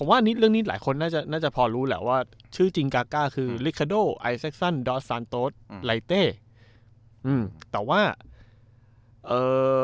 ผมว่าอันนี้เรื่องนี้หลายคนน่าจะน่าจะพอรู้แหละว่าชื่อจริงกาก้าคืออืมแต่ว่าเอ่อ